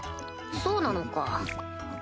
そうなのか。